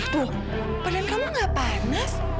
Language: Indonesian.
tuh badan kamu nggak panas